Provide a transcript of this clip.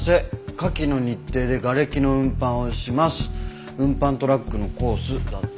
「下記の日程で瓦礫の運搬をします」「運搬トラックのコース」だって。